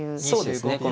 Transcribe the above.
そうですね。